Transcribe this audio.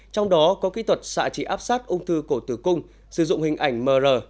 trong đó có kỹ thuật xạ trị áp sát ung thư cổ tử cung sử dụng hình ảnh mr